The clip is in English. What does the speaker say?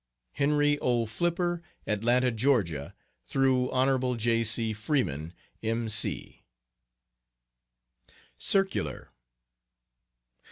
HENRY O. FLIPPER, Atlanta, Georgia. Through Hon. J. C. FREEMAN, M.C. CIRCULAR.